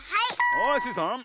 はいスイさん。